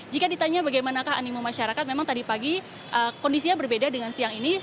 jika ditanya bagaimanakah animo masyarakat memang tadi pagi kondisinya berbeda dengan siang ini